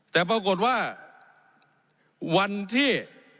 แต่ปรากฏว่าวันที่